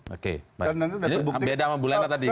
oke ini beda sama bulena tadi